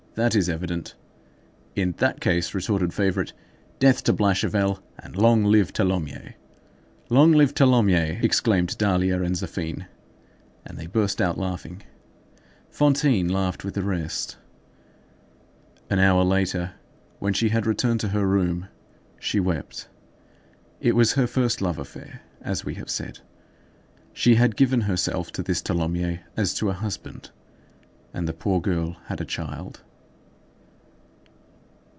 That is evident. "In that case," retorted Favourite, "death to Blachevelle, and long live Tholomyès!" "Long live Tholomyès!" exclaimed Dahlia and Zéphine. And they burst out laughing. Fantine laughed with the rest. An hour later, when she had returned to her room, she wept. It was her first love affair, as we have said; she had given herself to this Tholomyès as to a husband, and the poor girl had a child.